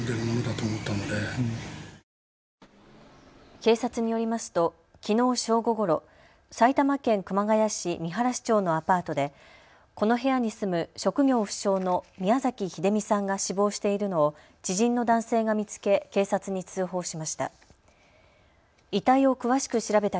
警察によりますときのう正午ごろ、埼玉県熊谷市見晴町のアパートでこの部屋に住む職業不詳の宮崎英美さんが死亡しているのを知人の男性が見つけ警察に通報しました。